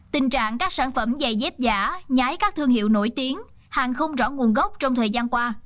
tình trạng các sản phẩm giày dép giả nhái các thương hiệu nổi tiếng hàng không rõ nguồn gốc trong thời gian qua